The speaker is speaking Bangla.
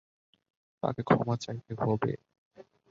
তাকে ক্ষমা চাইতে হবে!